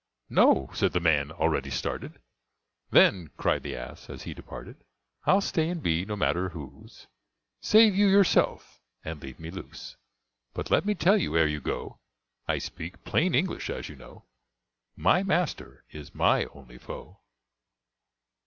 "No," said the man, already started. "Then," cried the ass, as he departed "I'll stay, and be no matter whose; Save you yourself, and leave me loose But let me tell you, ere you go, (I speak plain English, as you know,) My master is my only foe."